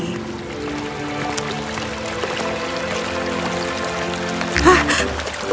kau harus mencari jalan yang lebih baik